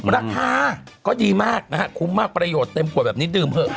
ราคาก็ดีมากนะฮะคุ้มมากประโยชน์เต็มขวดแบบนี้ดื่มเถอะ